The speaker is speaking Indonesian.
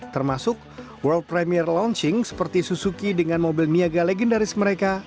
termasuk world premier launching seperti suzuki dengan mobil niaga legendaris mereka